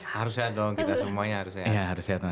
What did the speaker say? harus sehat dong kita semuanya harus sehat